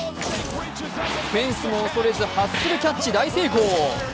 フェンスも恐れずハッスルキャッチ大成功。